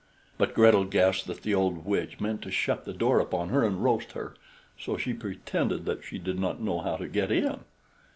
But Gretel guessed that the old witch meant to shut the door upon her and roast her, so she pretended that she did not know how to get in.